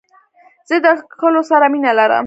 زه د کښلو سره مینه لرم.